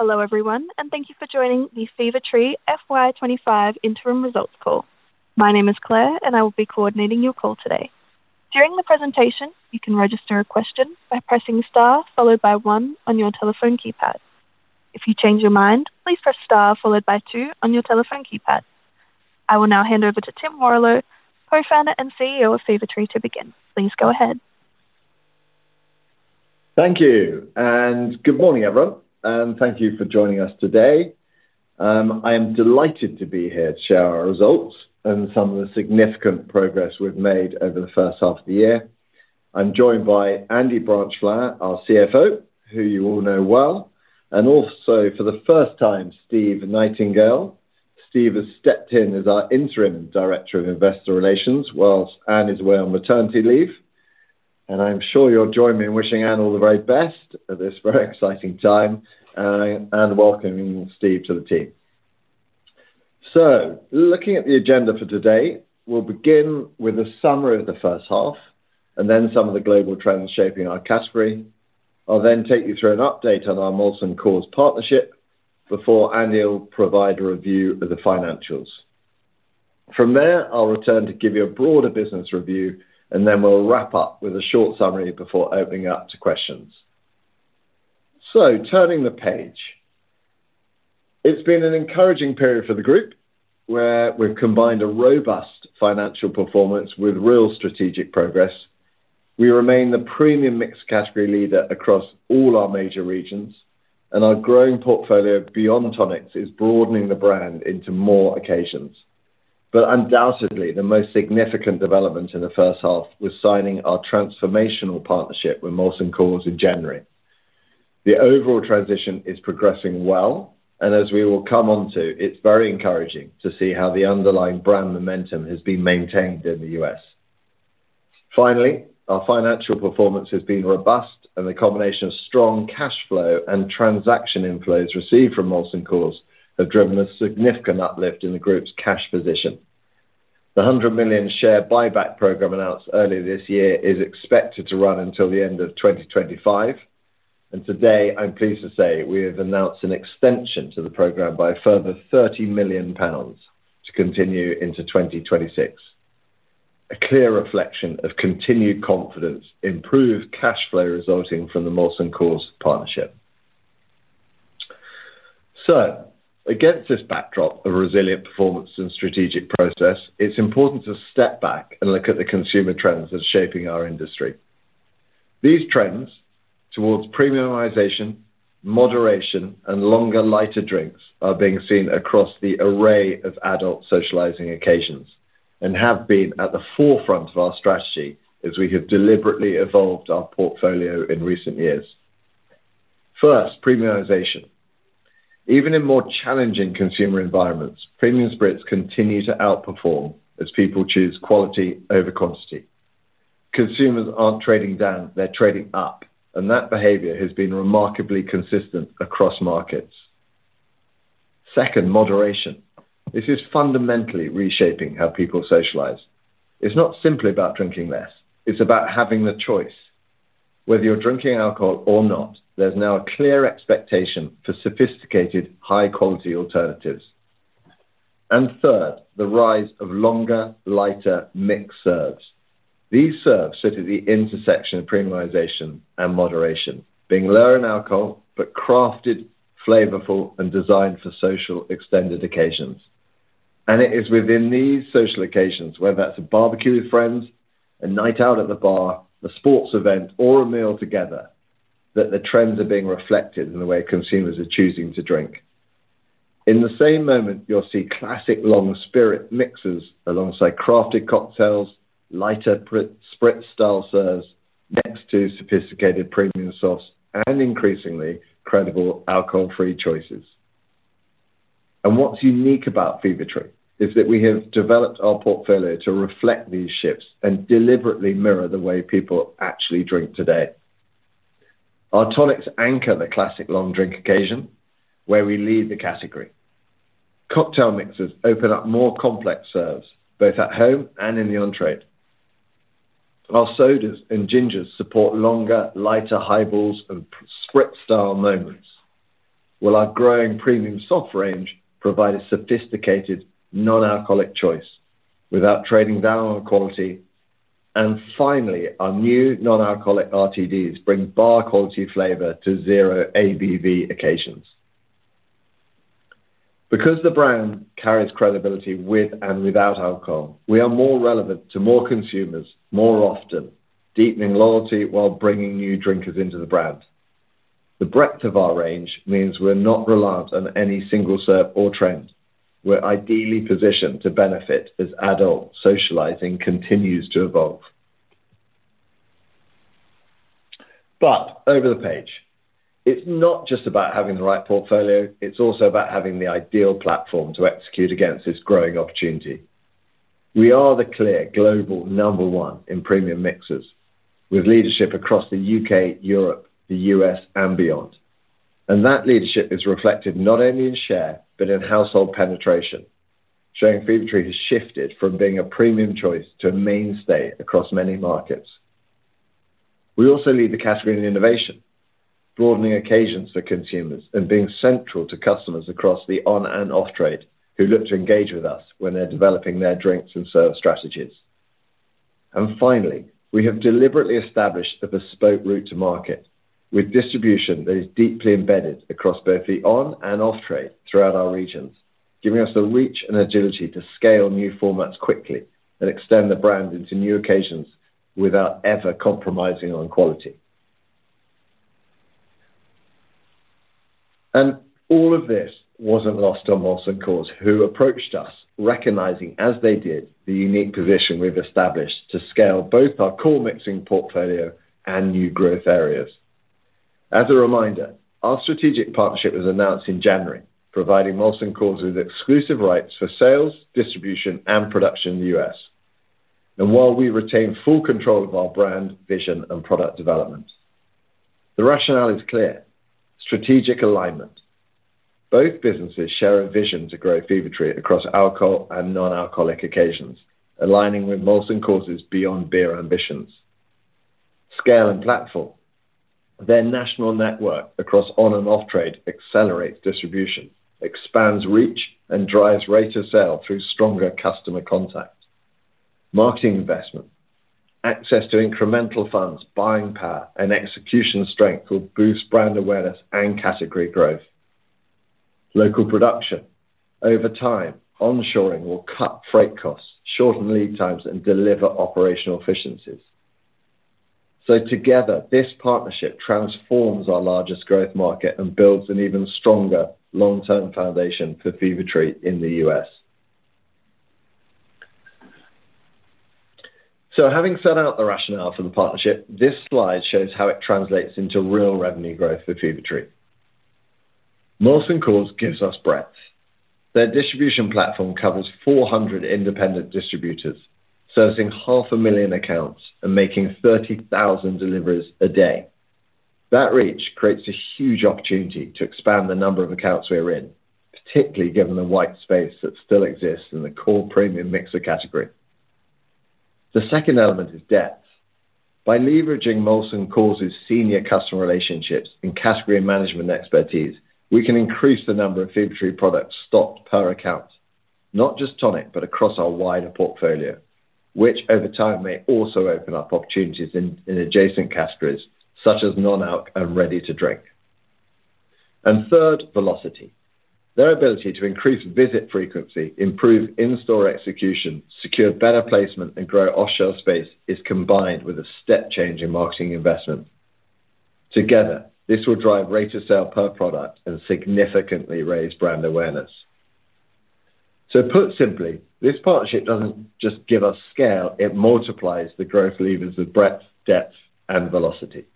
Hello everyone, and thank you for joining the Fevertree FY25 interim results call. My name is Claire, and I will be coordinating your call today. During the presentation, you can register a question by pressing * followed by 1 on your telephone keypad. If you change your mind, please press * followed by 2 on your telephone keypad. I will now hand over to Tim Warrillow, Co-founder and CEO of Fevertree, to begin. Please go ahead. Thank you, and good morning everyone, and thank you for joining us today. I am delighted to be here to share our results and some of the significant progress we've made over the first half of the year. I'm joined by Andy Branchflower, our CFO, who you all know well, and also for the first time, Steve Nightingale. Steve has stepped in as our Interim Director of Investor Relations whilst Anne is away on maternity leave. I'm sure you'll join me in wishing Anne all the very best at this very exciting time, and welcoming Steve to the team. Looking at the agenda for today, we'll begin with a summary of the first half and then some of the global trends shaping our category. I'll then take you through an update on our Molson Coors partnership before Andy provides a review of the financials. From there, I'll return to give you a broader business review, and then we'll wrap up with a short summary before opening up to questions. Turning the page, it's been an encouraging period for the group, where we've combined a robust financial performance with real strategic progress. We remain the premium mixers category leader across all our major regions, and our growing portfolio beyond tonic water is broadening the brand into more occasions. Undoubtedly, the most significant development in the first half was signing our transformational partnership with Molson Coors in January. The overall transition is progressing well, and as we will come onto, it's very encouraging to see how the underlying brand momentum has been maintained in the U.S. Finally, our financial performance has been robust, and the combination of strong cash flow and transaction inflows received from Molson Coors have driven a significant uplift in the group's cash position. The £100 million share buyback program announced earlier this year is expected to run until the end of 2025, and today I'm pleased to say we have announced an extension to the program by a further £30 million to continue into 2026. This is a clear reflection of continued confidence in improved cash flow resulting from the Molson Coors partnership. Against this backdrop of resilient performance and strategic progress, it's important to step back and look at the consumer trends that are shaping our industry. These trends towards premiumization, moderation, and longer, lighter drinks are being seen across the array of adult socializing occasions and have been at the forefront of our strategy as we have deliberately evolved our portfolio in recent years. First, premiumization. Even in more challenging consumer environments, premium spirits continue to outperform as people choose quality over quantity. Consumers aren't trading down; they're trading up, and that behavior has been remarkably consistent across markets. Second, moderation. This is fundamentally reshaping how people socialize. It's not simply about drinking less; it's about having the choice. Whether you're drinking alcohol or not, there's now a clear expectation for sophisticated, high-quality alternatives. Third, the rise of longer, lighter mixed serves. These serves sit at the intersection of premiumization and moderation, being lower in alcohol but crafted, flavorful, and designed for social extended occasions. It is within these social occasions, whether that's a barbecue with friends, a night out at the bar, a sports event, or a meal together, that the trends are being reflected in the way consumers are choosing to drink. In the same moment, you'll see classic long spirit mixes alongside crafted cocktails, lighter spritz style serves next to sophisticated premium sodas, and increasingly credible alcohol-free choices. What's unique about Fevertree is that we have developed our portfolio to reflect these shifts and deliberately mirror the way people actually drink today. Our tonics anchor the classic long drink occasion, where we lead the category. Cocktail mixers open up more complex serves, both at home and in the on-trade. Our sodas and ginger beers support longer, lighter highballs and spritz style moments, while our growing premium soft drinks range provides a sophisticated, non-alcoholic choice without trading down on quality. Finally, our new non-alcoholic RTDs bring bar-quality flavor to zero ABV occasions. Because the brand carries credibility with and without alcohol, we are more relevant to more consumers more often, deepening loyalty while bringing new drinkers into the brand. The breadth of our range means we're not reliant on any single serve or trend. We're ideally positioned to benefit as adult socializing continues to evolve. Over the page, it's not just about having the right portfolio; it's also about having the ideal platform to execute against this growing opportunity. We are the clear global number one in premium mixers, with leadership across the UK, Europe, the U.S., and beyond. That leadership is reflected not only in share but in household penetration, showing Fevertree has shifted from being a premium choice to a mainstay across many markets. We also lead the category in innovation, broadening occasions for consumers and being central to customers across the on- and off-trade who look to engage with us when they're developing their drinks and serve strategies. Finally, we have deliberately established a bespoke route to market, with distribution that is deeply embedded across both the on- and off-trade throughout our regions, giving us the reach and agility to scale new formats quickly and extend the brand into new occasions without ever compromising on quality. All of this wasn't lost on Molson Coors, who approached us recognizing, as they did, the unique position we've established to scale both our core mixing portfolio and new growth areas. As a reminder, our strategic partnership was announced in January, providing Molson Coors with exclusive rights for sales, distribution, and production in the U.S., while we retain full control of our brand, vision, and product development. The rationale is clear: strategic alignment. Both businesses share a vision to grow Fevertree across alcohol and non-alcoholic occasions, aligning with Molson Coors' beyond-beer ambitions. Scale and platform. Their national network across on- and off-trade accelerates distribution, expands reach, and drives rate of sale through stronger customer contact. Marketing investment. Access to incremental funds, buying power, and execution strength will boost brand awareness and category growth. Local production. Over time, onshoring will cut freight costs, shorten lead times, and deliver operational efficiencies. Together, this partnership transforms our largest growth market and builds an even stronger long-term foundation for Fevertree in the U.S. Having set out the rationale for the partnership, this slide shows how it translates into real revenue growth for Fevertree. Molson Coors gives us breadth. Their distribution platform covers 400 independent distributors, servicing half a million accounts and making 30,000 deliveries a day. That reach creates a huge opportunity to expand the number of accounts we're in, particularly given the white space that still exists in the core premium mixer category. The second element is depth. By leveraging Molson Coors' senior customer relationships and category management expertise, we can increase the number of Fevertree products stocked per account, not just tonic but across our wider portfolio, which over time may also open up opportunities in adjacent categories such as non-alc and ready-to-drink. Third, velocity. Their ability to increase visit frequency, improve in-store execution, secure better placement, and grow off-shelf space is combined with a step-changing marketing investment. Together, this will drive rate of sale per product and significantly raise brand awareness. Put simply, this partnership doesn't just give us scale, it multiplies the growth levers of breadth, depth, and velocity.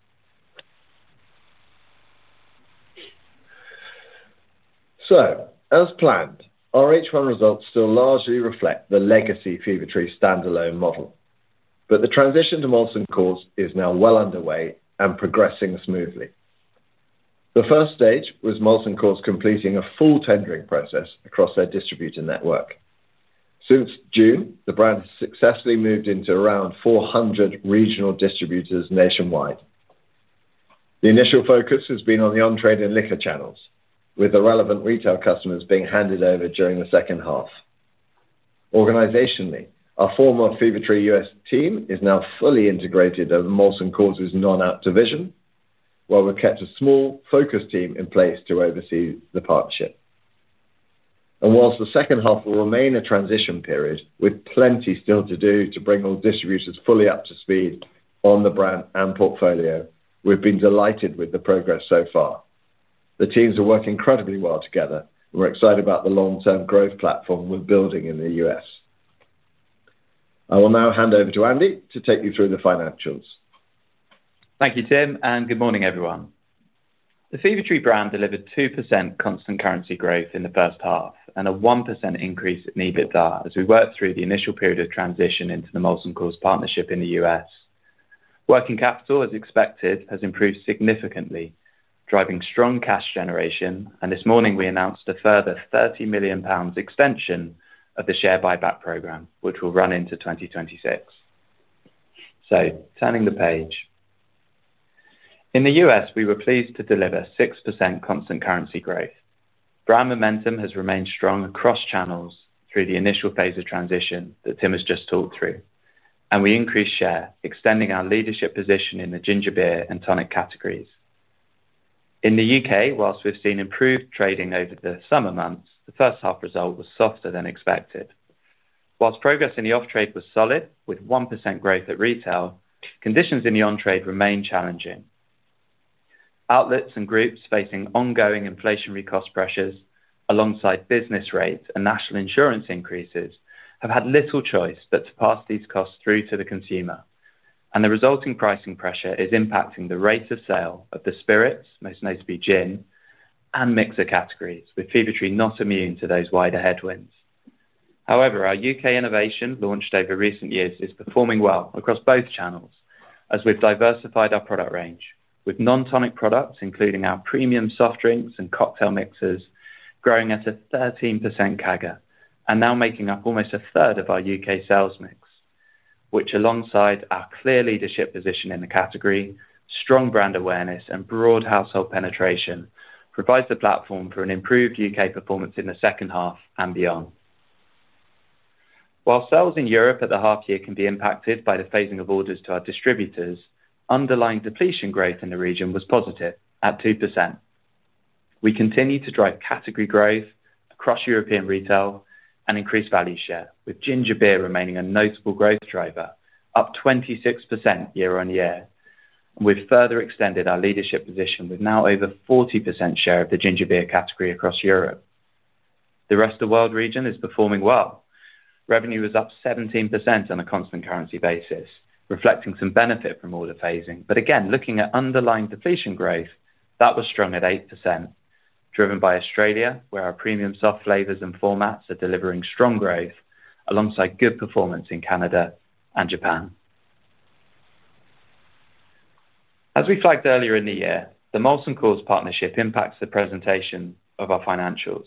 As planned, our H1 results still largely reflect the legacy Fevertree standalone model, but the transition to Molson Coors is now well underway and progressing smoothly. The first stage was Molson Coors completing a full tendering process across their distributor network. Since June, the brand has successfully moved into around 400 regional distributors nationwide. The initial focus has been on the on-trade and liquor channels, with the relevant retail customers being handed over during the second half. Organizationally, our former Fevertree US team is now fully integrated as Molson Coors' non-alc division, while we've kept a small focus team in place to oversee the partnership. Whilst the second half will remain a transition period with plenty still to do to bring all distributors fully up to speed on the brand and portfolio, we've been delighted with the progress so far. The teams are working incredibly well together, and we're excited about the long-term growth platform we're building in the US. I will now hand over to Andy to take you through the financials. Thank you, Tim, and good morning, everyone. The Fevertree brand delivered 2% constant currency growth in the first half and a 1% increase at knee-length as we worked through the initial period of transition into the Molson Coors partnership in the U.S. Working capital, as expected, has improved significantly, driving strong cash generation, and this morning we announced a further £30 million expansion of the share buyback program, which will run into 2026. Turning the page, in the U.S., we were pleased to deliver 6% constant currency growth. Brand momentum has remained strong across channels through the initial phase of transition that Tim has just talked through, and we increased share, extending our leadership position in the ginger beer and tonic categories. In the U.K., whilst we've seen improved trading over the summer months, the first half result was softer than expected. Whilst progress in the off-trade was solid, with 1% growth at retail, conditions in the on-trade remain challenging. Outlets and groups facing ongoing inflationary cost pressures, alongside business rates and national insurance increases, have had little choice but to pass these costs through to the consumer, and the resulting pricing pressure is impacting the rate of sale of the spirits, most notably gin, and mixer categories, with Fevertree not immune to those wider headwinds. However, our U.K. innovation launched over recent years is performing well across both channels, as we've diversified our product range, with non-tonic products, including our premium soft drinks and cocktail mixers, growing at a 13% CAGR and now making up almost a third of our U.K. sales mix, which, alongside our clear leadership position in the category, strong brand awareness, and broad household penetration, provides the platform for an improved U.K. performance in the second half and beyond. While sales in Europe at the half-year can be impacted by the phasing of orders to our distributors, underlying depletion growth in the region was positive at 2%. We continue to drive category growth across European retail and increase value share, with ginger beer remaining a notable growth driver, up 26% year on year, and we've further extended our leadership position with now over 40% share of the ginger beer category across Europe. The rest of the world region is performing well. Revenue is up 17% on a constant currency basis, reflecting some benefit from order phasing, but again, looking at underlying depletion growth, that was strong at 8%, driven by Australia, where our premium soft flavors and formats are delivering strong growth alongside good performance in Canada and Japan. As we flagged earlier in the year, the Molson Coors partnership impacts the presentation of our financials.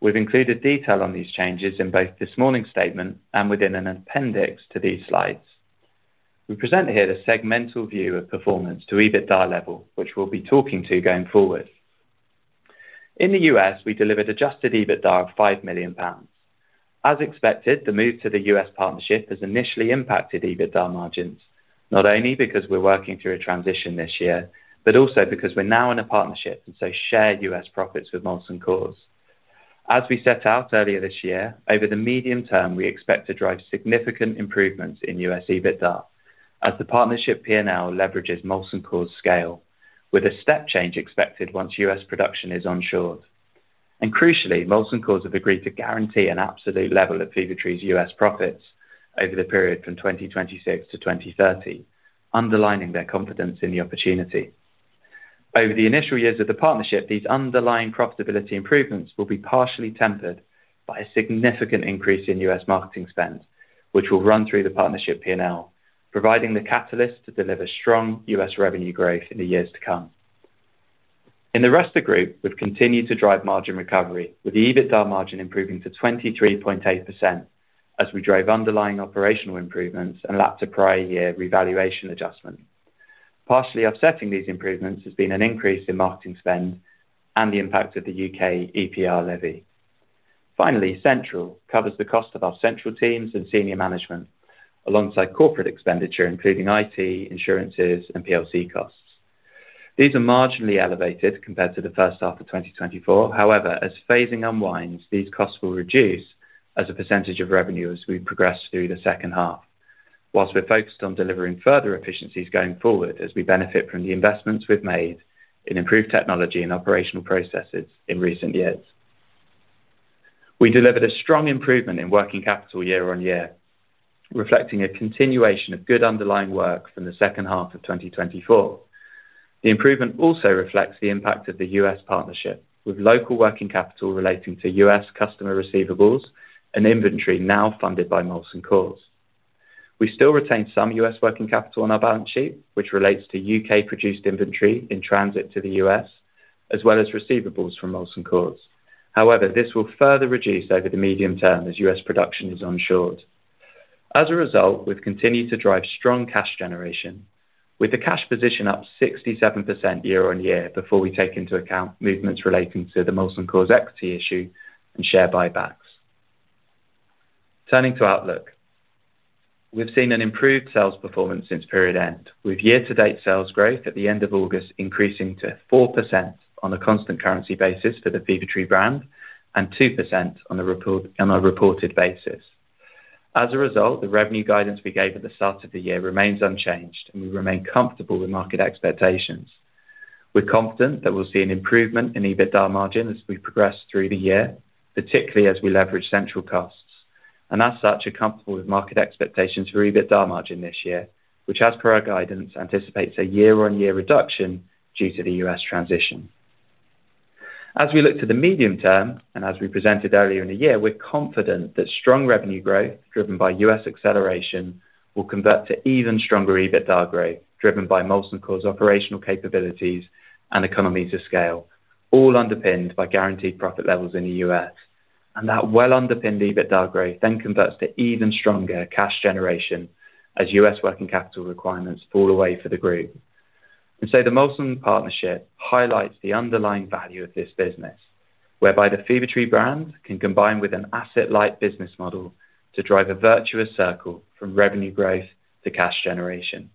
We've included detail on these changes in both this morning's statement and within an appendix to these slides. We present here the segmental view of performance to EBITDA level, which we'll be talking to going forward. In the U.S., we delivered adjusted EBITDA of £5 million. As expected, the move to the U.S. partnership has initially impacted EBITDA margins, not only because we're working through a transition this year, but also because we're now in a partnership and so share U.S. profits with Molson Coors. As we set out earlier this year, over the medium term, we expect to drive significant improvements in U.S. EBITDA as the partnership P&L leverages Molson Coors' scale, with a step change expected once U.S. production is onshored. Crucially, Molson Coors have agreed to guarantee an absolute level at Fevertree's U.S. profits over the period from 2026 to 2030, underlining their confidence in the opportunity. Over the initial years of the partnership, these underlying profitability improvements will be partially tempered by a significant increase in U.S. marketing spend, which will run through the partnership P&L, providing the catalyst to deliver strong U.S. revenue growth in the years to come. In the rest of the group, we've continued to drive margin recovery, with the EBITDA margin improving to 23.8% as we drove underlying operational improvements and latter prior year revaluation adjustments. Partially offsetting these improvements has been an increase in marketing spend and the impact of the UK EPR levy. Finally, central covers the cost of our central teams and senior management, alongside corporate expenditure, including IT, insurances, and PLC costs. These are marginally elevated compared to the first half of 2024. However, as phasing unwinds, these costs will reduce as a percentage of revenue as we progress through the second half, while we're focused on delivering further efficiencies going forward as we benefit from the investments we've made in improved technology and operational processes in recent years. We delivered a strong improvement in working capital year on year, reflecting a continuation of good underlying work from the second half of 2024. The improvement also reflects the impact of the U.S. partnership, with local working capital relating to U.S. customer receivables and inventory now funded by Molson Coors. We still retain some U.S. working capital on our balance sheet, which relates to U.K.-produced inventory in transit to the U.S., as well as receivables from Molson Coors. However, this will further reduce over the medium term as U.S. production is onshored. As a result, we've continued to drive strong cash generation, with the cash position up 67% year on year before we take into account movements relating to the Molson Coors equity issue and share buybacks. Turning to outlook, we've seen an improved sales performance since period end, with year-to-date sales growth at the end of August increasing to 4% on a constant currency basis for the Fevertree brand and 2% on a reported basis. As a result, the revenue guidance we gave at the start of the year remains unchanged, and we remain comfortable with market expectations. We're confident that we'll see an improvement in EBITDA margin as we progress through the year, particularly as we leverage central costs, and as such, are comfortable with market expectations for EBITDA margin this year, which, as per our guidance, anticipates a year-on-year reduction due to the U.S. transition. As we look to the medium term, and as we presented earlier in the year, we're confident that strong revenue growth driven by U.S. acceleration will convert to even stronger EBITDA growth driven by Molson Coors' operational capabilities and economies of scale, all underpinned by guaranteed profit levels in the U.S. That well-underpinned EBITDA growth then converts to even stronger cash generation as U.S. working capital requirements fall away for the group. The Molson partnership highlights the underlying value of this business, whereby the Fevertree brand can combine with an asset-light business model to drive a virtuous circle from revenue growth to cash generation.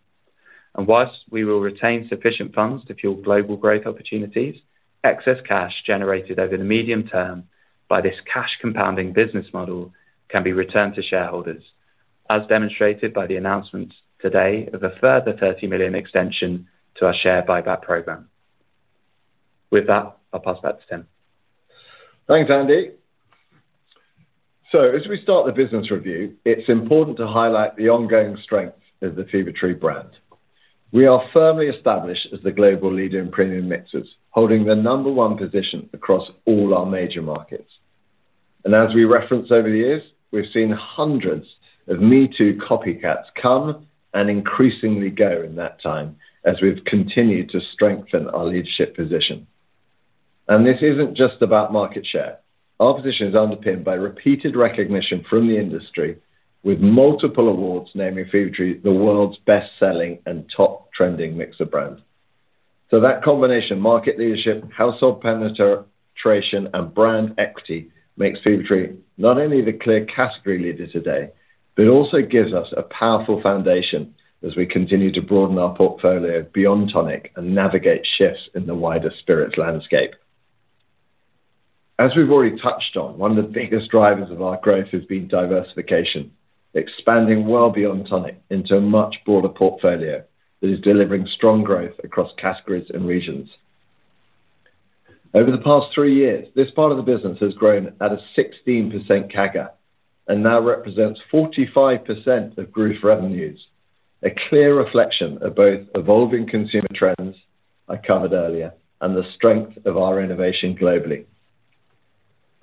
Whilst we will retain sufficient funds to fuel global growth opportunities, excess cash generated over the medium term by this cash-compounding business model can be returned to shareholders, as demonstrated by the announcement today of a further £30 million extension to our share buyback program. With that, I'll pass back to Tim. Thanks, Andy. As we start the business review, it's important to highlight the ongoing strength of the Fevertree brand. We are firmly established as the global leader in premium mixers, holding the number one position across all our major markets. As we referenced over the years, we've seen hundreds of #MeToo copycats come and increasingly go in that time as we've continued to strengthen our leadership position. This isn't just about market share. Our position is underpinned by repeated recognition from the industry, with multiple awards naming Fevertree the world's best-selling and top trending mixer brand. That combination of market leadership, household penetration, and brand equity makes Fevertree not only the clear category leader today, but also gives us a powerful foundation as we continue to broaden our portfolio beyond tonic and navigate shifts in the wider spirits landscape. As we've already touched on, one of the biggest drivers of our growth has been diversification, expanding well beyond tonic into a much broader portfolio that is delivering strong growth across categories and regions. Over the past three years, this part of the business has grown at a 16% CAGR and now represents 45% of group's revenues, a clear reflection of both evolving consumer trends, I covered earlier, and the strength of our innovation globally.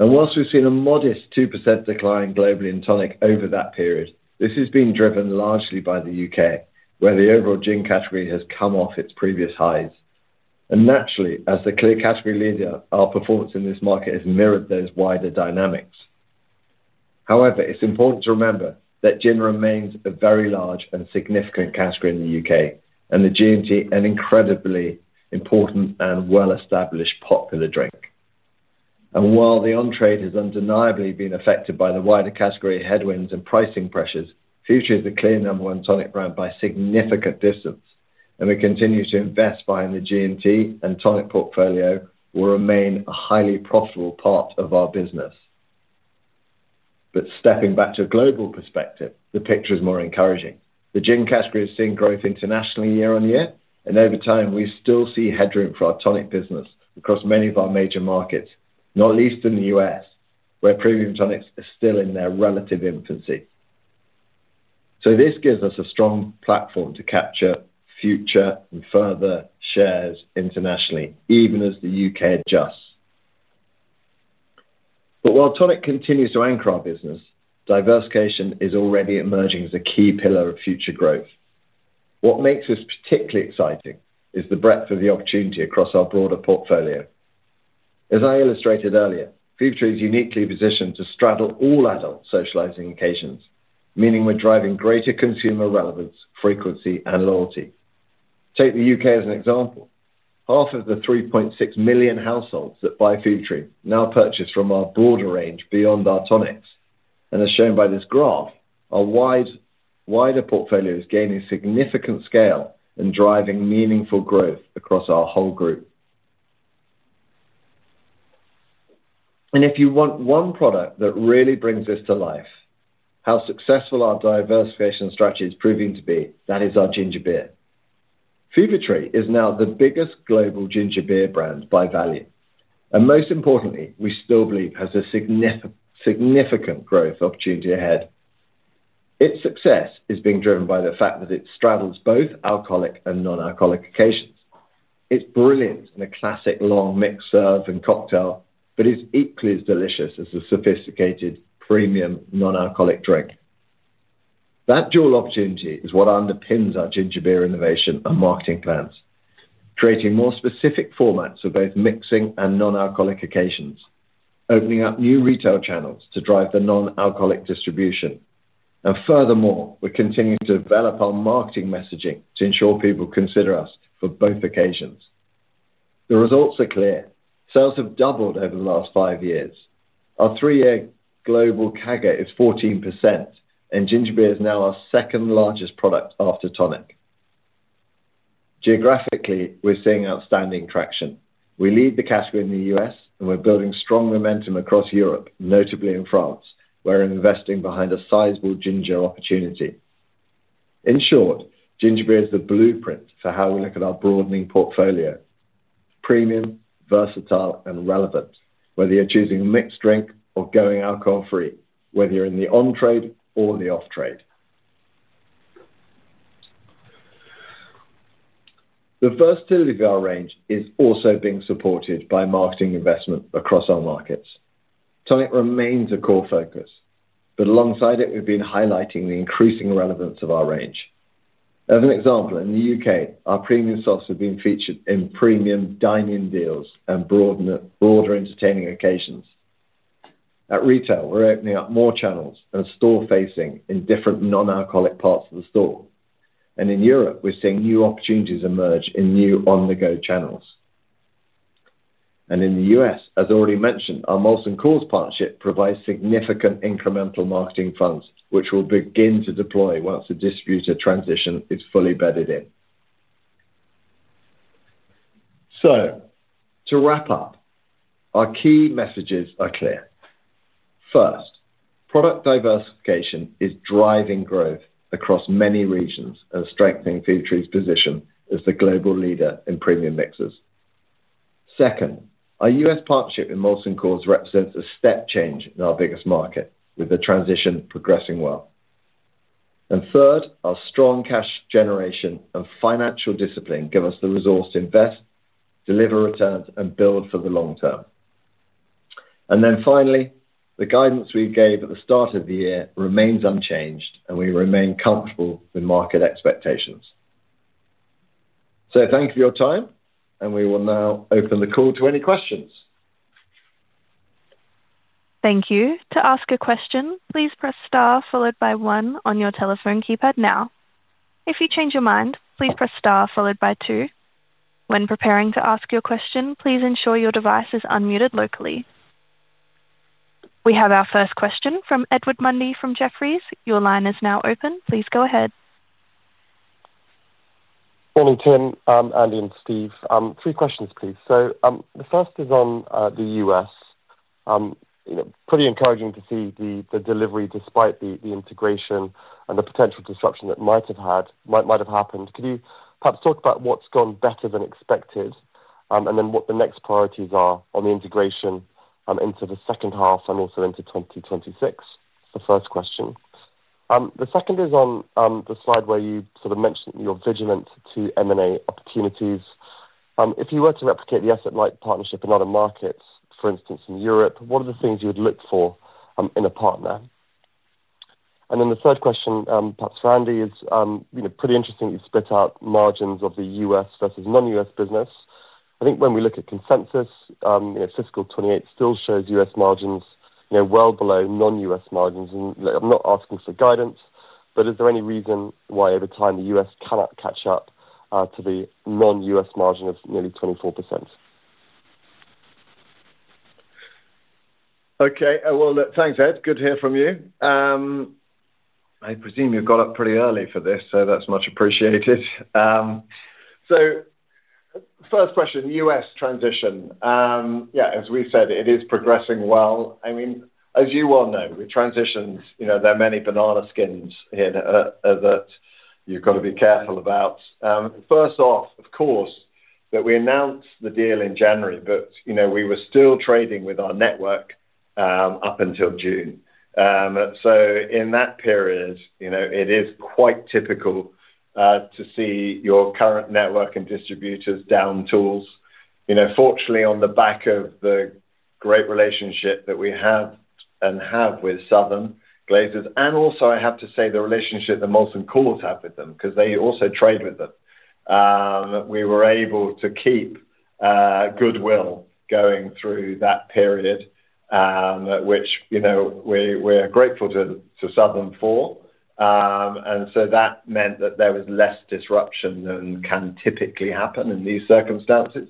Whilst we've seen a modest 2% decline globally in tonic over that period, this has been driven largely by the UK, where the overall gin category has come off its previous highs. Naturally, as the clear category leader, our performance in this market has mirrored those wider dynamics. However, it's important to remember that gin remains a very large and significant category in the UK, and the G&T, an incredibly important and well-established popular drink. While the on-trade has undeniably been affected by the wider category headwinds and pricing pressures, Fevertree is the clear number one tonic brand by significant distance, and we continue to invest behind the G&T, and tonic portfolio will remain a highly profitable part of our business. Stepping back to a global perspective, the picture is more encouraging. The gin category has seen growth internationally year on year, and over time, we still see headroom for our tonic business across many of our major markets, not least in the U.S., where premium tonics are still in their relative infancy. This gives us a strong platform to capture future and further shares internationally, even as the UK adjusts. While tonic continues to anchor our business, diversification is already emerging as a key pillar of future growth. What makes this particularly exciting is the breadth of the opportunity across our broader portfolio. As I illustrated earlier, Fevertree Drinks PLC is uniquely positioned to straddle all adult socializing occasions, meaning we're driving greater consumer relevance, frequency, and loyalty. Take the UK as an example. Half of the 3.6 million households that buy Fevertree now purchase from our broader range beyond our tonics. As shown by this graph, our wider portfolio is gaining significant scale and driving meaningful growth across our whole group. If you want one product that really brings this to life, how successful our diversification strategy is proving to be, that is our ginger beer. Fevertree Drinks PLC is now the biggest global ginger beer brand by value, and most importantly, we still believe it has a significant growth opportunity ahead. Its success is being driven by the fact that it straddles both alcoholic and non-alcoholic occasions. It's brilliant in a classic long mixed serve and cocktail, but is equally as delicious as a sophisticated premium non-alcoholic drink. That dual opportunity is what underpins our ginger beer innovation and marketing plans, creating more specific formats for both mixing and non-alcoholic occasions, opening up new retail channels to drive the non-alcoholic distribution. Furthermore, we continue to develop our marketing messaging to ensure people consider us for both occasions. The results are clear. Sales have doubled over the last five years. Our three-year global CAGR is 14%, and ginger beer is now our second largest product after tonic. Geographically, we're seeing outstanding traction. We lead the category in the US, and we're building strong momentum across Europe, notably in France, where we're investing behind a sizable ginger opportunity. In short, ginger beer is the blueprint for how we look at our broadening portfolio: premium, versatile, and relevant, whether you're choosing a mixed drink or going alcohol-free, whether you're in the on-trade or the off-trade. The versatility of our range is also being supported by marketing investment across our markets. Tonic remains a core focus, but alongside it, we've been highlighting the increasing relevance of our range. As an example, in the UK, our premium soft has been featured in premium dine-in deals and broader entertaining occasions. At retail, we're opening up more channels and store-facing in different non-alcoholic parts of the store. In Europe, we're seeing new opportunities emerge in new on-the-go channels. In the U.S., as already mentioned, our Molson Coors partnership provides significant incremental marketing funds, which we'll begin to deploy once the distributor transition is fully bedded in. To wrap up, our key messages are clear. First, product diversification is driving growth across many regions and strengthening Fevertree's position as the global leader in premium mixers. Second, our U.S. partnership with Molson Coors represents a step change in our biggest market, with the transition progressing well. Third, our strong cash generation and financial discipline give us the resource to invest, deliver returns, and build for the long term. Finally, the guidance we gave at the start of the year remains unchanged, and we remain comfortable with market expectations. Thank you for your time, and we will now open the call to any questions. Thank you. To ask a question, please press * followed by 1 on your telephone keypad now. If you change your mind, please press * followed by 2. When preparing to ask your question, please ensure your device is unmuted locally. We have our first question from Edward Mundy from Jefferies. Your line is now open. Please go ahead. Good morning, Tim, Andy, and Steve. Three questions, please. The first is on the U.S. Pretty encouraging to see the delivery despite the integration and the potential disruption that might have happened. Could you perhaps talk about what's gone better than expected and then what the next priorities are on the integration into the second half and also into 2026? That's the first question. The second is on the slide where you sort of mentioned that you're vigilant to M&A opportunities. If you were to replicate the asset-light partnership in other markets, for instance, in Europe, what are the things you would look for in a partner? The third question, perhaps for Andy, is pretty interesting that you split out margins of the U.S. versus non-U.S. business. I think when we look at consensus, fiscal 2028 still shows U.S. margins well below non-U.S. margins. I'm not asking for guidance, but is there any reason why over time the U.S. cannot catch up to the non-U.S. margin of nearly 24%? Okay, thanks, Ed. Good to hear from you. I presume you got up pretty early for this, so that's much appreciated. First question, U.S. transition. As we said, it is progressing well. As you all know, with transitions, there are many banana skins here that you've got to be careful about. First off, of course, we announced the deal in January, but we were still trading with our network up until June. In that period, it is quite typical to see your current network and distributors down tools. Fortunately, on the back of the great relationship that we have and have had with Southern Glazers, and also, I have to say, the relationship that Molson Coors have with them because they also trade with them, we were able to keep goodwill going through that period, which we're grateful to Southern for. That meant that there was less disruption than can typically happen in these circumstances.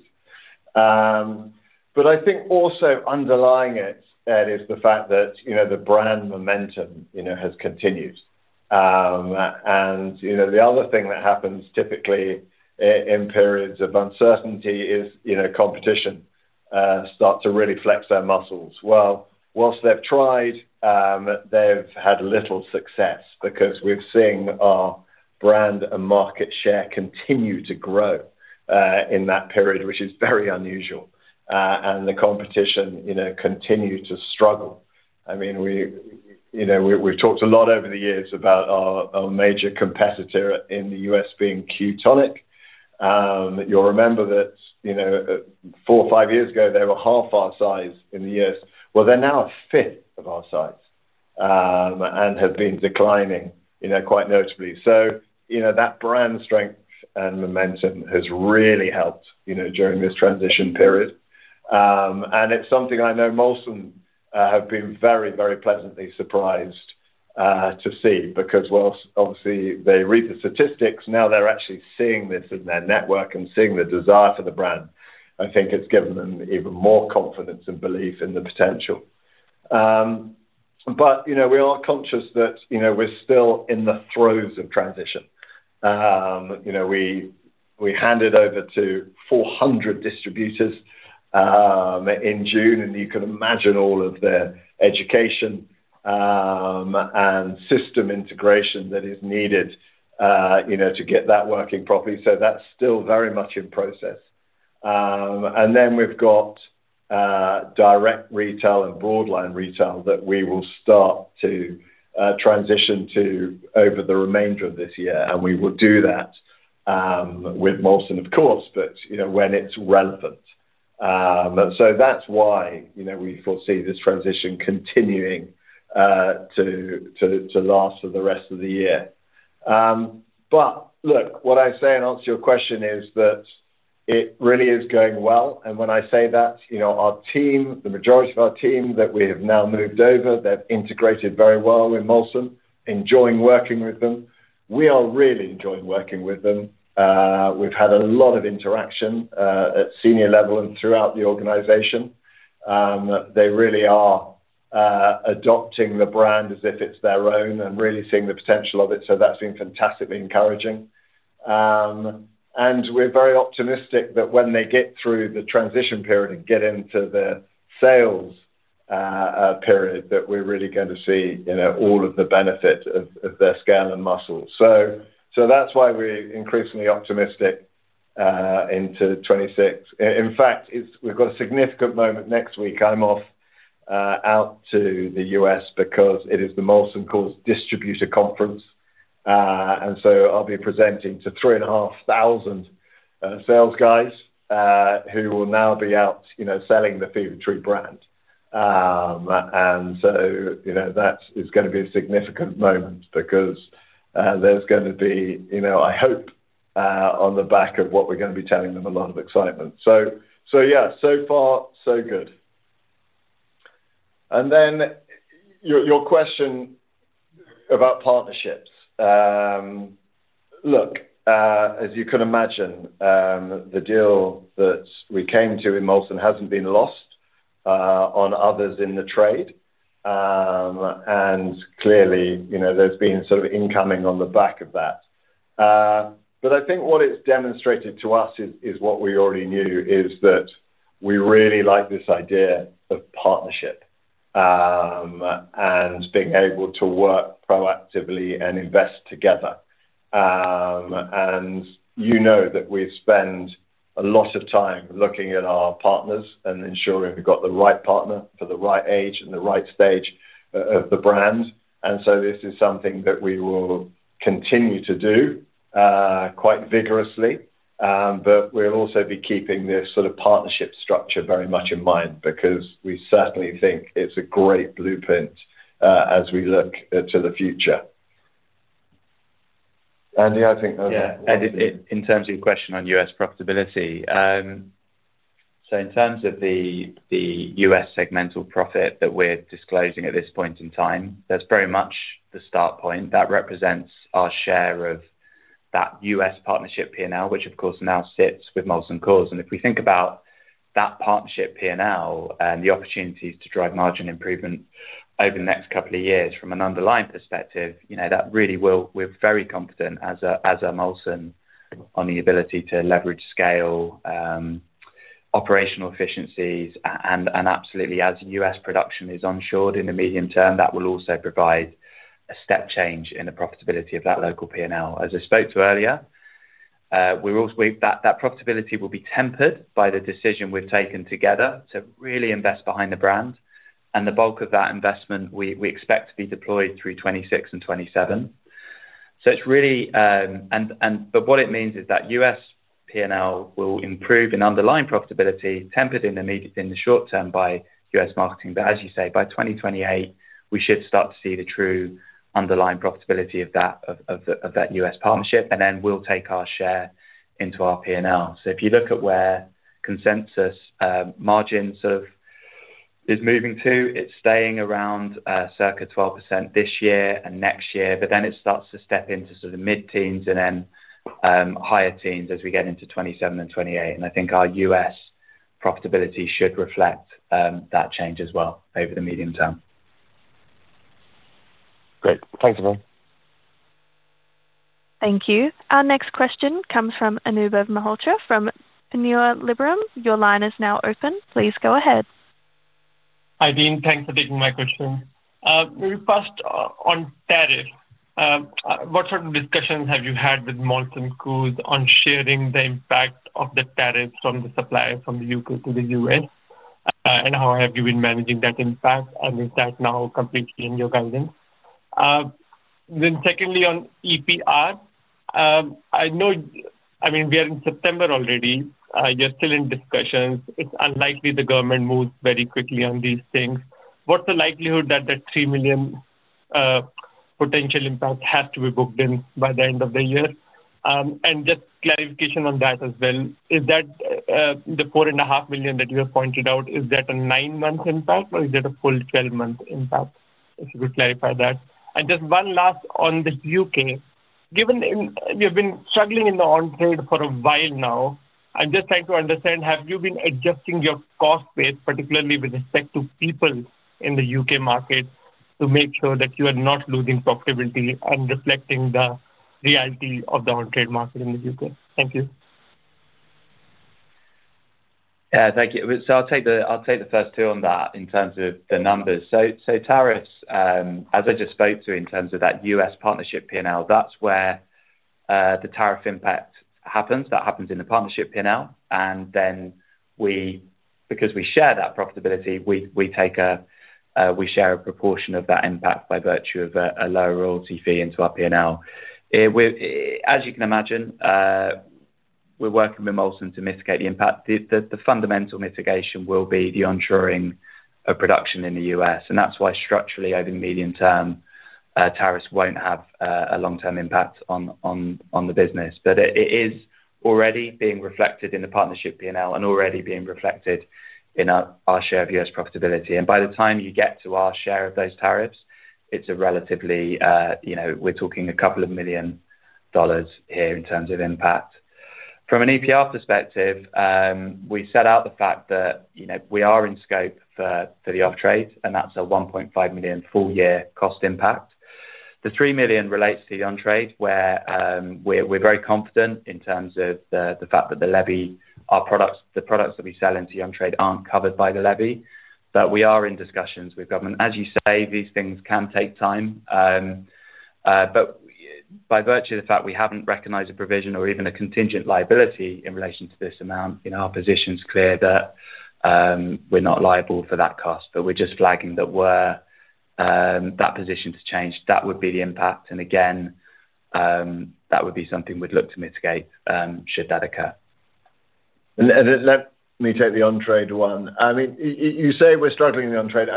I think also underlying it is the fact that the brand momentum has continued. The other thing that happens typically in periods of uncertainty is competition starts to really flex their muscles. Whilst they've tried, they've had little success because we've seen our brand and market share continue to grow in that period, which is very unusual. The competition continued to struggle. We've talked a lot over the years about our major competitor in the U.S. being Qtonic. You'll remember that four or five years ago, they were half our size in the U.S. They're now a fifth of our size and have been declining quite notably. That brand strength and momentum has really helped during this transition period. It's something I know Molson Coors have been very, very pleasantly surprised to see because, whilst obviously they read the statistics, now they're actually seeing this in their network and seeing the desire for the brand. I think it's given them even more confidence and belief in the potential. We are conscious that we're still in the throes of transition. We handed over to 400 distributors in June, and you can imagine all of the education and system integration that is needed to get that working properly. That's still very much in process. We've got direct retail and borderline retail that we will start to transition to over the remainder of this year. We will do that with Molson Coors, of course, when it's relevant. That is why we foresee this transition continuing to last for the rest of the year. What I say in answer to your question is that it really is going well. When I say that, our team, the majority of our team that we have now moved over, they've integrated very well with Molson Coors, enjoying working with them. We are really enjoying working with them. We've had a lot of interaction at senior level and throughout the organization. They really are adopting the brand as if it's their own and really seeing the potential of it. That has been fantastically encouraging. We are very optimistic that when they get through the transition period and get into the sales period, we're really going to see all of the benefit of their scale and muscle. That is why we're increasingly optimistic into 2026. In fact, we've got a significant moment next week. I'm off out to the U.S. because it is the Molson Coors Distributor Conference. I'll be presenting to 3,500 sales guys who will now be out selling the Fevertree brand. That is going to be a significant moment because there's going to be, I hope, on the back of what we're going to be telling them, a lot of excitement. So far, so good. Your question about partnerships. As you can imagine, the deal that we came to in Molson Coors hasn't been lost on others in the trade. Clearly, there's been sort of incoming on the back of that. I think what it's demonstrated to us is what we already knew, that we really like this idea of partnership and being able to work proactively and invest together. You know that we spend a lot of time looking at our partners and ensuring we've got the right partner for the right age and the right stage of the brand. This is something that we will continue to do quite vigorously. We'll also be keeping this sort of partnership structure very much in mind because we certainly think it's a great blueprint as we look to the future. Andy, I think. Yeah, and in terms of your question on U.S. profitability, in terms of the U.S. segmental profit that we're disclosing at this point in time, that's very much the start point. That represents our share of that U.S. partnership P&L, which of course now sits with Molson Coors. If we think about that partnership P&L and the opportunities to drive margin improvement over the next couple of years from an underlying perspective, we're very confident as a Molson on the ability to leverage scale, operational efficiencies, and absolutely as U.S. production is onshored in the medium term, that will also provide a step change in the profitability of that local P&L. As I spoke to earlier, that profitability will be tempered by the decision we've taken together to really invest behind the brand. The bulk of that investment, we expect to be deployed through 2026 and 2027. It's really what it means is that U.S. P&L will improve in underlying profitability, tempered in the short term by U.S. marketing. As you say, by 2028, we should start to see the true underlying profitability of that U.S. partnership, and then we'll take our share into our P&L. If you look at where consensus margin is moving to, it's staying around circa 12% this year and next year, but then it starts to step into mid-teens and then higher teens as we get into 2027 and 2028. I think our U.S. profitability should reflect that change as well over the medium term. Great, thanks everyone. Thank you. Our next question comes from Anubhav Malhotra from Panmure Liberum. Your line is now open. Please go ahead. Hi, Dean. Thanks for taking my question. First, on tariffs, what sort of discussions have you had with Molson Coors on sharing the impact of the tariffs from the supplier from the UK to the US, and how have you been managing that impact, and is that now completely in your guidance? Secondly, on EPR, I know we are in September already. You're still in discussions. It's unlikely the government moves very quickly on these things. What's the likelihood that the $3 million potential impact has to be booked in by the end of the year? Just clarification on that as well, is the $4.5 million that you have pointed out a nine-month impact, or is it a full 12-month impact? If you could clarify that. One last on the UK. Given we have been struggling in the on-trade for a while now, I'm just trying to understand, have you been adjusting your cost base, particularly with respect to people in the UK market, to make sure that you are not losing profitability and reflecting the reality of the on-trade market in the UK? Thank you. Yeah, thank you. I'll take the first two on that in terms of the numbers. Tariffs, as I just spoke to, in terms of that U.S. partnership P&L, that's where the tariff impact happens. That happens in the partnership P&L. We, because we share that profitability, we share a proportion of that impact by virtue of a lower royalty fee into our P&L. As you can imagine, we're working with Molson Coors to mitigate the impact. The fundamental mitigation will be the onshoring of production in the U.S. That's why structurally, over the medium term, tariffs won't have a long-term impact on the business. It is already being reflected in the partnership P&L and already being reflected in our share of U.S. profitability. By the time you get to our share of those tariffs, it's a relatively, you know, we're talking a couple of million dollars here in terms of impact. From an EPR perspective, we set out the fact that we are in scope for the off-trade, and that's a $1.5 million full-year cost impact. The $3 million relates to the on-trade, where we're very confident in terms of the fact that the levy, our products, the products that we sell into the on-trade aren't covered by the levy. We are in discussions with government. As you say, these things can take time. By virtue of the fact we haven't recognized a provision or even a contingent liability in relation to this amount, our position is clear that we're not liable for that cost. We're just flagging that we're in that position to change. That would be the impact. Again, that would be something we'd look to mitigate should that occur. Let me take the on-trade one. You say we're struggling in the on-trade.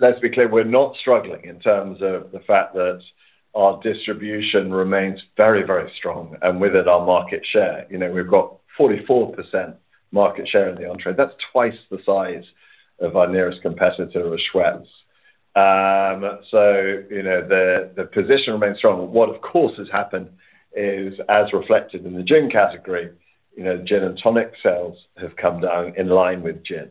Let's be clear, we're not struggling in terms of the fact that our distribution remains very, very strong. With it, our market share, we've got 44% market share in the on-trade. That's twice the size of our nearest competitor, Schweppes. The position remains strong. What has happened is, as reflected in the gin category, gin and tonic sales have come down in line with gin.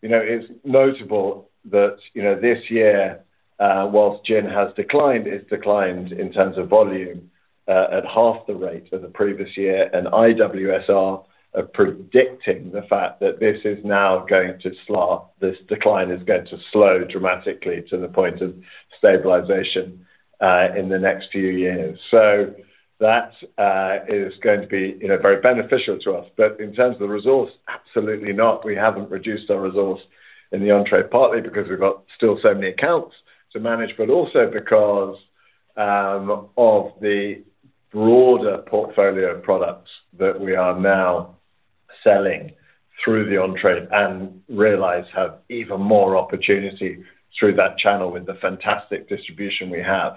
It's notable that this year, whilst gin has declined, it's declined in terms of volume at half the rate of the previous year. IWSR are predicting the fact that this is now going to slow. This decline is going to slow dramatically to the point of stabilization in the next few years. That is going to be very beneficial to us. In terms of the resource, absolutely not. We haven't reduced our resource in the on-trade partly because we've got still so many accounts to manage, but also because of the broader portfolio of products that we are now selling through the on-trade and realize have even more opportunity through that channel with the fantastic distribution we have.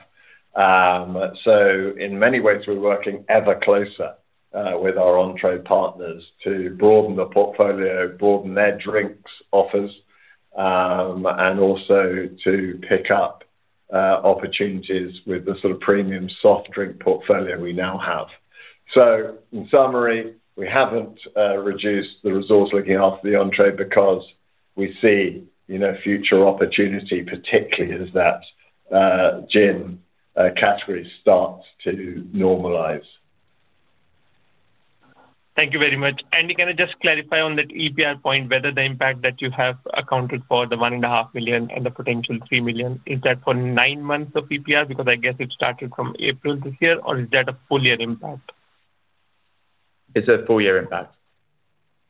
In many ways, we're working ever closer with our on-trade partners to broaden the portfolio, broaden their drinks offers, and also to pick up opportunities with the sort of premium soft drink portfolio we now have. In summary, we haven't reduced the resource looking after the on-trade because we see future opportunity, particularly as that gin category starts to normalize. Thank you very much. I just clarify on that EPR point, whether the impact that you have accounted for, the £1.5 million and the potential £3 million, is that for nine months of EPR because I guess it started from April this year, or is that a full-year impact? It's a full-year impact.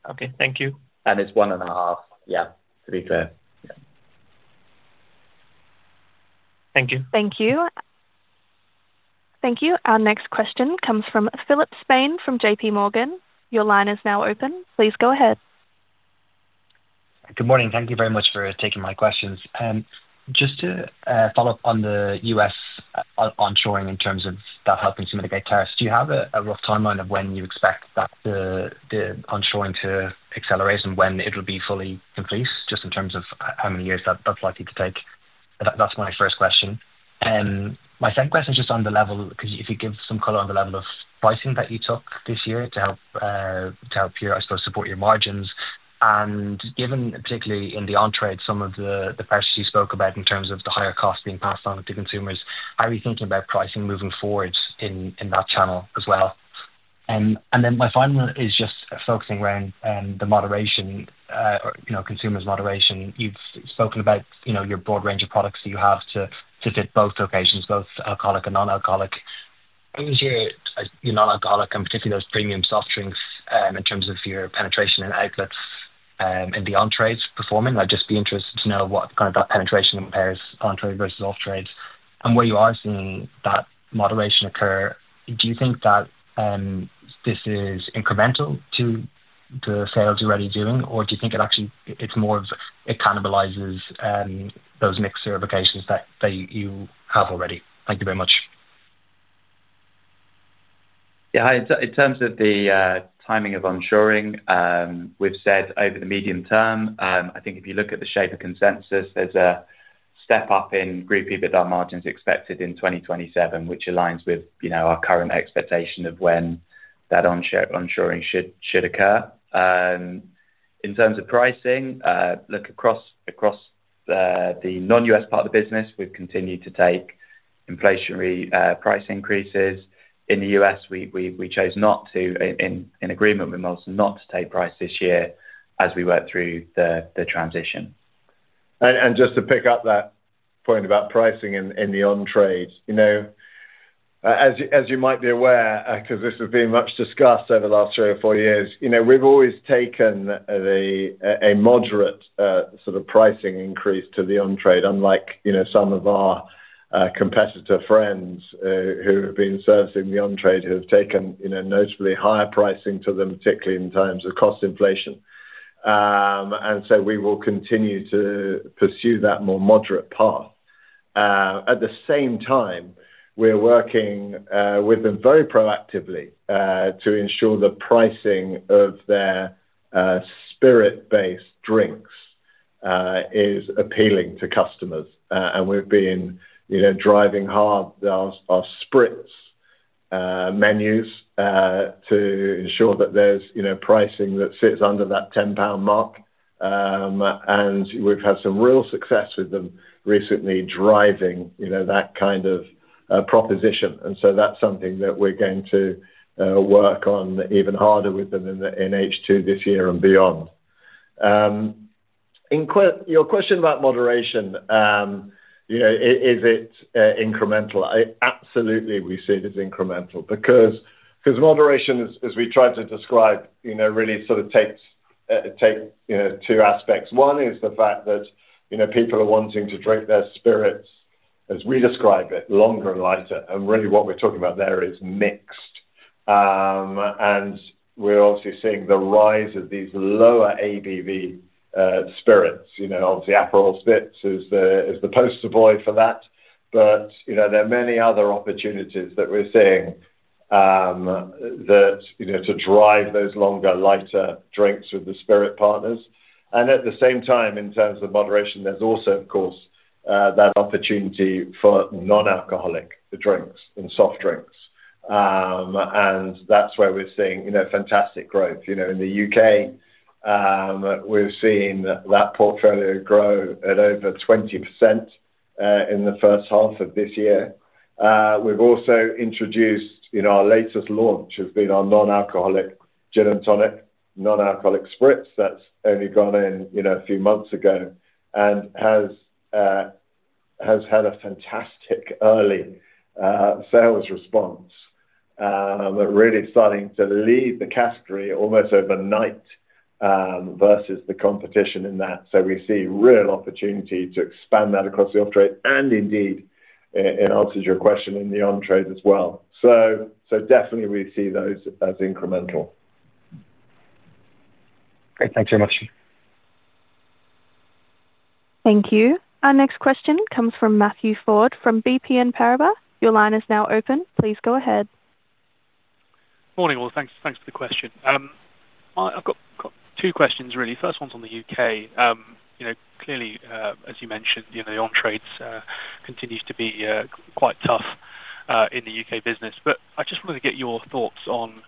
Okay, thank you. It's one and a half, yeah, to be clear. Thank you. Thank you. Thank you. Our next question comes from Philip Spain from JPMorgan Chase & Co. Your line is now open. Please go ahead. Good morning. Thank you very much for taking my questions. Just to follow up on the U.S. onshoring in terms of that helping to mitigate tariffs, do you have a rough timeline of when you expect that the onshoring to accelerate and when it'll be fully complete, just in terms of how many years that's likely to take? That's my first question. My second question is just on the level, because if you give some color on the level of pricing that you took this year to help, to help your, I suppose, support your margins. Given, particularly in the on-trade, some of the pressures you spoke about in terms of the higher cost being passed on to consumers, how are you thinking about pricing moving forward in that channel as well? My final is just focusing around the moderation, or, you know, consumers' moderation. You've spoken about, you know, your broad range of products that you have to fit both locations, both alcoholic and non-alcoholic. How do you see your non-alcoholic and particularly those premium soft drinks in terms of your penetration and outlets in the on-trade performing? I'd just be interested to know what kind of that penetration compares on-trade versus off-trade. Where you are seeing that moderation occur, do you think that this is incremental to the sales you're already doing, or do you think it actually, it's more of accountabilizes those mixer applications that you have already? Thank you very much. Yeah, hi. In terms of the timing of onshoring, we've said over the medium term. I think if you look at the shape of consensus, there's a step up in group EBITDA margins expected in 2027, which aligns with our current expectation of when that onshoring should occur. In terms of pricing, look across the non-U.S. part of the business, we've continued to take inflationary price increases. In the U.S., we chose not to, in agreement with Molson Coors, not to take price this year as we work through the transition. To pick up that point about pricing in the on-trade, as you might be aware, because this has been much discussed over the last three or four years, we've always taken a moderate sort of pricing increase to the on-trade, unlike some of our competitor friends who have been servicing the on-trade who have taken notably higher pricing to them, particularly in times of cost inflation. We will continue to pursue that more moderate path. At the same time, we're working with them very proactively to ensure the pricing of their spirit-based drinks is appealing to customers. We've been driving hard on our spritz menus to ensure that there's pricing that sits under that £10 mark. We've had some real success with them recently driving that kind of proposition. That's something that we're going to work on even harder with them in H2 this year and beyond. Your question about moderation, is it incremental? Absolutely, we see it as incremental because moderation, as we tried to describe, really sort of takes two aspects. One is the fact that people are wanting to drink their spirits, as we describe it, longer and lighter. What we're talking about there is mixed. We're obviously seeing the rise of these lower ABV spirits. Obviously, Aperol Spritz is the poster boy for that, but there are many other opportunities that we're seeing to drive those longer, lighter drinks with the spirit partners. At the same time, in terms of moderation, there's also, of course, that opportunity for non-alcoholic drinks and soft drinks. That's where we're seeing fantastic growth. In the UK, we've seen that portfolio grow at over 20% in the first half of this year. We've also introduced our latest launch, which has been our non-alcoholic gin and tonic, non-alcoholic spritz. That's only gone in a few months ago and has had a fantastic early sales response, really starting to lead the category almost overnight versus the competition in that. We see real opportunity to expand that across the off-trade and indeed, in answer to your question, in the on-trade as well. We definitely see those as incremental. Great, thanks very much. Thank you. Our next question comes from Matthew Ford from BNP Paribas. Your line is now open. Please go ahead. Morning all. Thanks for the question. I've got two questions really. First one's on the UK. Clearly, as you mentioned, the on-trade continues to be quite tough in the UK business. I just wanted to get your thoughts on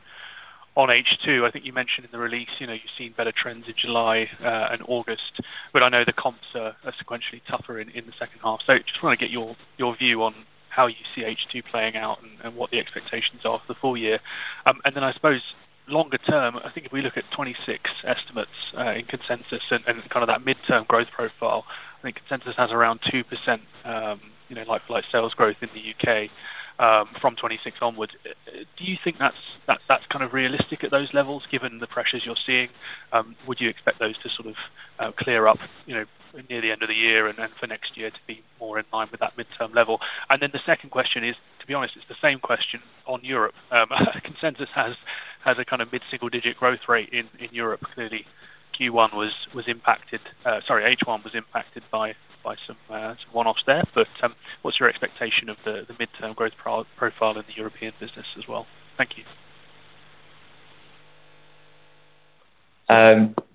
H2. I think you mentioned in the release you've seen better trends in July and August. I know the comps are sequentially tougher in the second half. I just want to get your view on how you see H2 playing out and what the expectations are for the full year. I suppose longer term, I think if we look at 2026 estimates in consensus and kind of that midterm growth profile, I think consensus has around 2% like-for-like sales growth in the UK from 2026 onwards. Do you think that's kind of realistic at those levels given the pressures you're seeing? Would you expect those to sort of clear up near the end of the year and for next year to be more in line with that midterm level? The second question is, to be honest, it's the same question on Europe. Consensus has a kind of mid-single-digit growth rate in Europe. Clearly, H1 was impacted by some one-offs there. What's your expectation of the midterm growth profile in the European business as well? Thank you.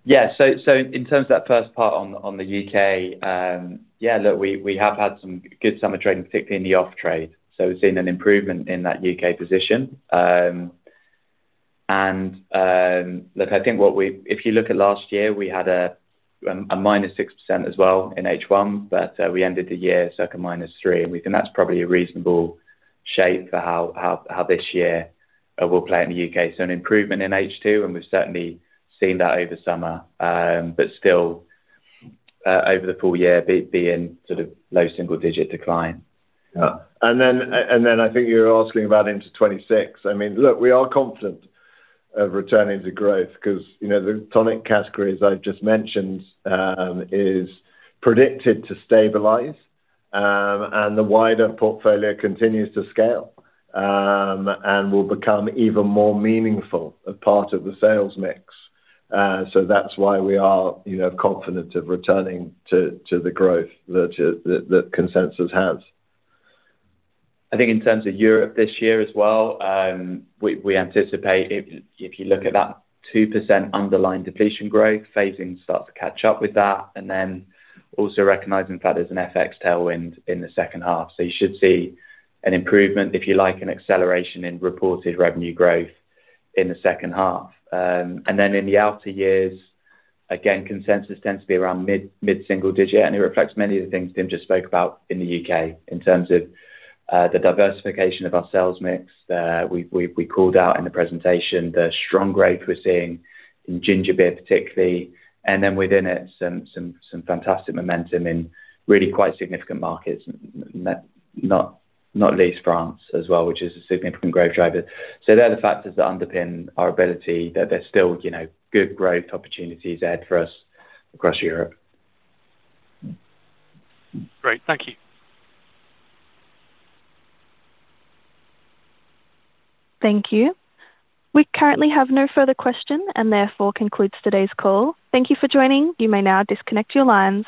Yeah, in terms of that first part on the UK, yeah, we have had some good summer trading, particularly in the off-trade. We've seen an improvement in that UK position. If you look at last year, we had a -6% as well in H1, but we ended the year circa -3%. We think that's probably a reasonable shape for how this year will play out in the UK. An improvement in H2, and we've certainly seen that over summer, but still over the full year being sort of low single-digit decline. I think you're asking about into 2026. Look, we are confident of returning to growth because the tonic category, as I just mentioned, is predicted to stabilize, and the wider portfolio continues to scale and will become even more meaningful as part of the sales mix. That's why we are confident of returning to the growth that consensus has. I think in terms of Europe this year as well, we anticipate if you look at that 2% underlying depletion growth, phasing starts to catch up with that, and then also recognizing that as an FX tailwind in the second half. You should see an improvement, if you like, an acceleration in reported revenue growth in the second half. In the outer years, again, consensus tends to be around mid-single digit, and it reflects many of the things Tim just spoke about in the UK in terms of the diversification of our sales mix. We called out in the presentation the strong growth we're seeing in ginger beer particularly, and within it, some fantastic momentum in really quite significant markets, not least France as well, which is a significant growth driver. They're the factors that underpin our ability that there's still, you know, good growth opportunities ahead for us across Europe. Great, thank you. Thank you. We currently have no further questions, and therefore this concludes today's call. Thank you for joining. You may now disconnect your lines.